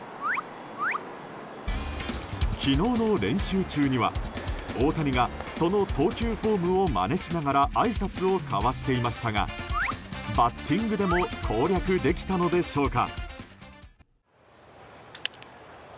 昨日の練習中には、大谷がその投球フォームをまねしながらあいさつを交わしていましたがバッティングでも攻略できたのでしょうか。